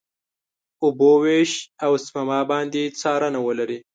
اوبو وېش، او سپما باندې څارنه ولري.